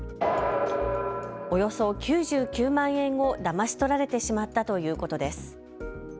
およそ９９万円をだまし取られてしまったということです。